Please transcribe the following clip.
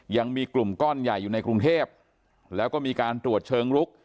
ยังมีกลุ่มก้อนใหญ่อยู่ในกรุงเทพแล้วก็มีการตรวจเชิงลุก